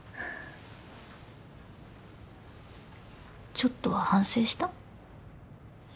ちょっとは反省した？